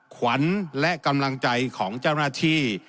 ขวัญและกำลังใจของเจ้าหน้าที่